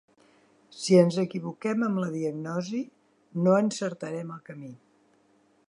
Si ens equivoquem amb la diagnosi, no encertarem el camí.